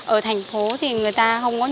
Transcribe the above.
ở thành phố thì người ta không có nhìn